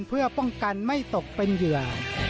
เพื่อป้องกันไม่ตกเป็นเหยื่อ